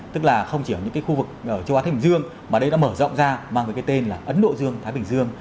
tức là không chỉ ở những khu vực châu á thái bình dương mà đây đã mở rộng ra mang về cái tên là ấn độ dương thái bình dương